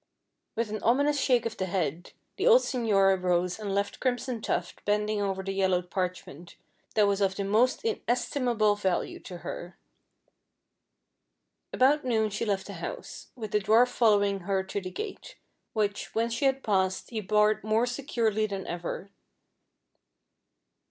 With an ominous shake of the head, the old señora rose and left Crimson Tuft bending over the yellowed parchment, that was of the most inestimable value to her. About noon she left the house, with the dwarf following her to the gate, which, when she had passed he barred more securely than ever.